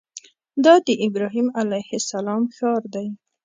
دا د ابراهیم علیه السلام ښار دی.